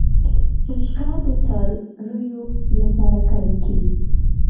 رشقه د څارویو لپاره کرل کیږي